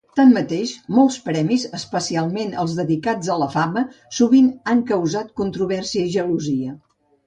Tanmateix, molts premis, especialment els dedicats a la fama, sovint han causat controvèrsia i gelosia.